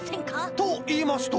といいますと？